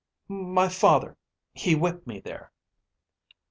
"My father he whipped me there."